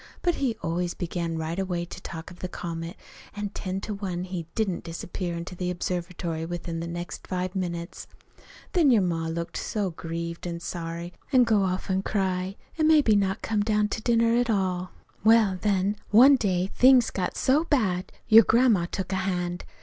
But he always began right away to talk of the comet; an' ten to one he didn't disappear into the observatory within the next five minutes. Then your ma would look so grieved an' sorry an' go off an' cry, an' maybe not come down to dinner, at all. "Well, then, one day things got so bad your grandma took a hand.